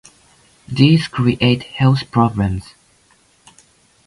These create health problems.